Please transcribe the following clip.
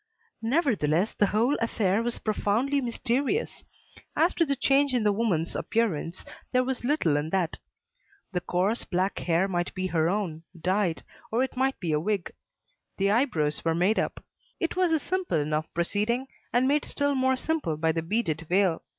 Nevertheless, the whole affair was profoundly mysterious. As to the change in the woman's appearance, there was little in that. The coarse, black hair might be her own, dyed, or it might be a wig. The eyebrows were made up; it was a simple enough proceeding and made still more simple by the beaded veil.